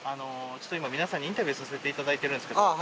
今皆さんにインタビューさせていただいてるんですけど。